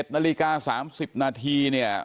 นาฬิกา๓๐นาทีเนี่ย